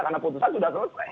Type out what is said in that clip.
karena putusan sudah